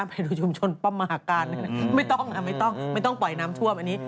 ไปดูชุมชนป้อมมหาการไม่ต้องไม่ต้องปล่อยน้ำท่วมอันนี้